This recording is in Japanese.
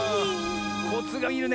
コツがいるね